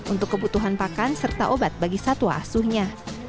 untuk kebutuhan pakan serta obat bagi satwa asuhnya